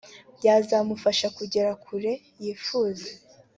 byazamufasha kugera kure yifuza